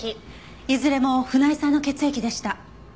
いずれも船井さんの血液でした。